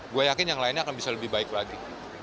gue yakin yang lainnya akan bisa lebih baik lagi